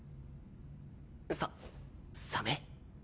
ササメ？